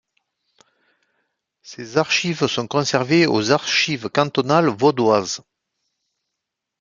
Ses archives sont conservées aux Archives cantonales vaudoises.